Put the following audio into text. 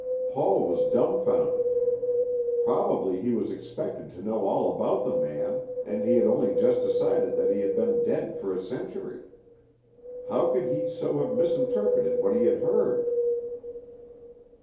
Paul was dumfounded. Probably he was expected to know all about the man, and he had only just decided that he had been dead for a century. How could he so have misinterpreted what he had heard?